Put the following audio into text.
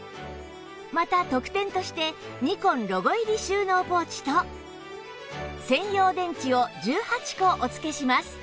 また特典としてニコンロゴ入り収納ポーチと専用電池を１８個お付けします